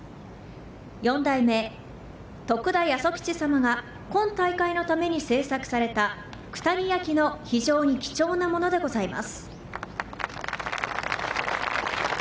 ４代目、徳田八十吉様が今大会のために作製された九谷焼の非常に貴重なものでございます。